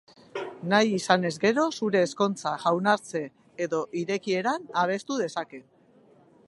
Nahi izatenez gero, zure ezkontza, jaunartze edo irekieran abestu dezake.